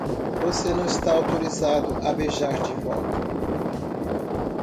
Você não está autorizado a beijar de volta?